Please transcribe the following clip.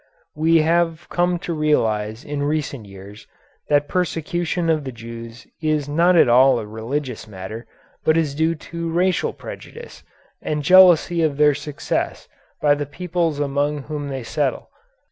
We have come to realize in recent years that persecution of the Jews is not at all a religious matter, but is due to racial prejudice and jealousy of their success by the peoples among whom they settle.